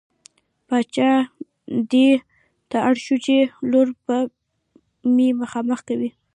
باچا دې ته اړ شو چې لور به مې خامخا کوې.